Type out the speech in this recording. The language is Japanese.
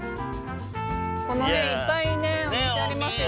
この辺いっぱいねお店ありますよね。